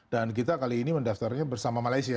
dan kita kali ini mendaftarnya bersama malaysia